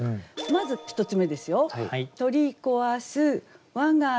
まず１つ目ですよ